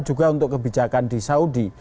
juga untuk kebijakan di saudi